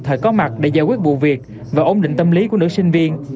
thời có mặt để giải quyết vụ việc và ổn định tâm lý của nữ sinh viên